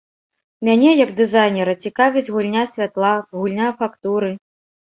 Мяне, як дызайнера, цікавіць гульня святла, гульня фактуры.